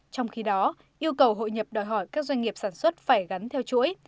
trong khi đó yêu cầu hội nhập đòi hỏi các doanh nghiệp sản xuất phải gắn theo chuỗi